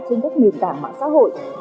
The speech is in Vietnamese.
trên các nền tảng mạng xã hội